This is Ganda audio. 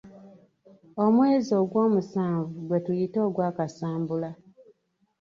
Omwezi ogw'omusanvu gwetuyita ogwa kasambula.